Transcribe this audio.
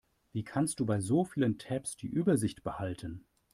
Wie kannst du bei so vielen Tabs die Übersicht behalten?